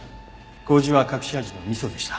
麹は隠し味の味噌でした。